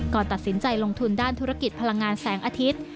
ตัดสินใจลงทุนด้านธุรกิจพลังงานแสงอาทิตย์